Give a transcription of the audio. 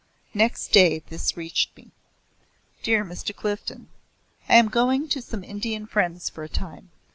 Next day this reached me: Dear Mr. Clifden, I am going to some Indian friends for a time.